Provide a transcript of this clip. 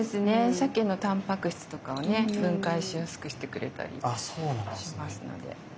さけのたんぱく質とかをね分解しやすくしてくれたりしますので。